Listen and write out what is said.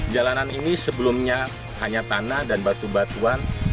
jalanan ini sebelumnya hanya tanah dan batu batuan